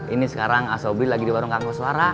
ini sekarang asobri lagi di warung kangkos suara